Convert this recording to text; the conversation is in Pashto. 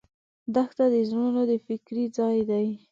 دښته د زړونو د فکر ځای دی.